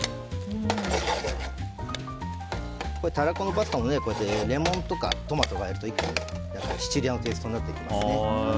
タラコのパスタもレモンとかトマトがあると一気にシチリアのテイストになっていきますね。